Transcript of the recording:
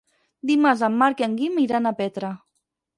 Dimarts en Marc i en Guim iran a Petra.